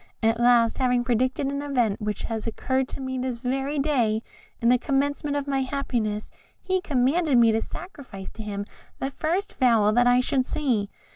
At last, having predicted an event which has occurred to me this very day, and the commencement of my happiness, he commanded me to sacrifice to him the first fowl that I should see.